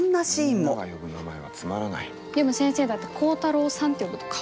でも、先生だって光太朗さんって呼ぶと顔